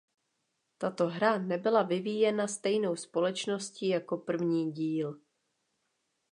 Tato hra nebyla vyvíjena stejnou společností jako první díl.